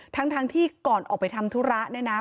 ทั้งที่ก่อนออกไปทำธุระเนี่ยนะ